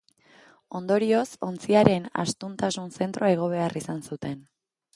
Ondorioz, ontziaren astuntasun zentroa igo behar izan zuten.